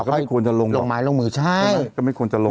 แล้วค่อยควรจะลงลงไม้ลงมือใช่ก็ไม่ควรจะลงอ่ะ